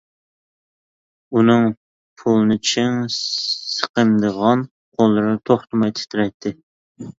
ئۇنىڭ پۇلنى چىڭ سىقىمدىغان قوللىرى توختىماي تىترەيتتى.